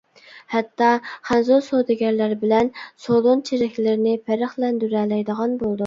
ھەتتا خەنزۇ سودىگەرلەر بىلەن سولۇن چېرىكلىرىنى پەرقلەندۈرەلەيدىغان بولدۇم.